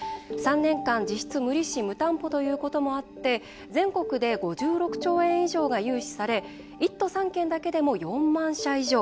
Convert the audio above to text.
３年間、実質無利子・無担保ということもあって全国で５６兆円以上が融資され１都３県だけでも４万社以上。